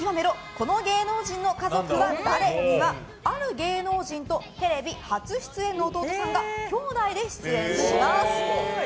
この芸能人の家族は誰？にはある芸能人とテレビ初出演の弟さんが姉弟で出演します。